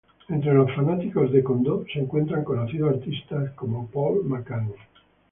Entre los fanáticos de Kondō se encuentran conocidos artistas como Paul McCartney.